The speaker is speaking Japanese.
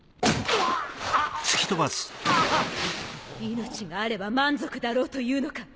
命があれば満足だろうと言うのか？